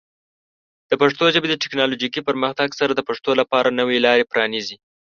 د پښتو ژبې د ټیکنالوجیکي پرمختګ سره، د پښتنو لپاره نوې لارې پرانیزي.